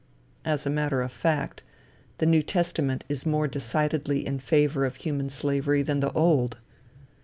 As a matter of fact, the New Testament is more decidedly in favor of human slavery than the old.